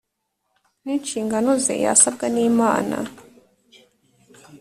n inshingano ze yasabwa n Inama